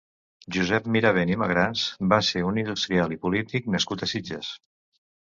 Josep Mirabent i Magrans va ser un industrial i polític nascut a Sitges.